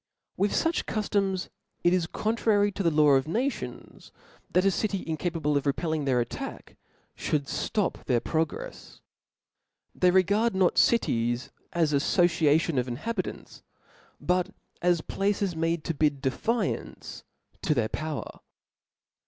With fuch cuftoms, it is contrary to the law of nations, that a city incapable of repelling their attack, fhould flop their progrefs. They regard no: cities as an aflbciatioa of inhabitants, but as places made to bid defiance to their power.